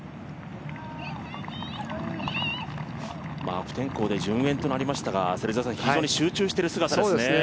悪天候で順延となりましたが、非常に集中している姿ですね。